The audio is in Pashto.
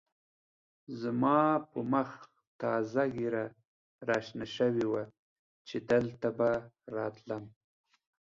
زما په مخ تازه ږېره را شنه شوې وه چې دلته به راتلم.